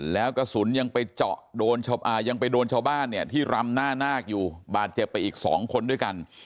แล้วกระสุนยังไปเจาะโดนยังไปโดนชาวบ้านเนี่ยที่รำหน้านาคอยู่บาดเจ็บไปอีก๒คนด้วยกัน